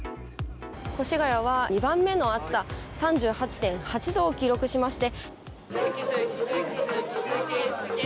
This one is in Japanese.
越谷は２番目の暑さ３８．８度を記録しまして。